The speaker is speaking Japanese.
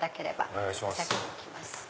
お先に行きます。